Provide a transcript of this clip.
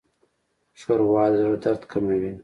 ښوروا د زړه درد کموي.